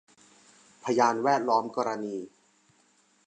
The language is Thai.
พยานแวดล้อมกรณี